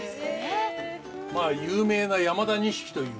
まあ有名な山田錦という。